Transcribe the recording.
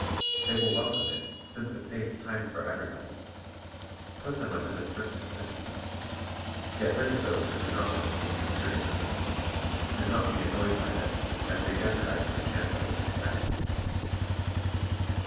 They will welcome it, since it saves time for everybody. Put them under the strictest discipline; get rid of those who do not want to take you seriously; do not be annoyed by them, as they jeopardize your chances of success.